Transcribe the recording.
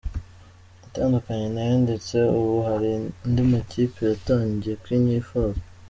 Natandukanye nayo ndetse ubu hari andi makipe yatangiye kunyifuza.”